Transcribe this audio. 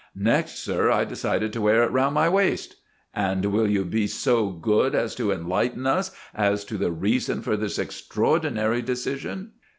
"Next, sir, I decided to wear it round my waist." "And will you be so good as to enlighten us as to the reason for this extraordinary decision?"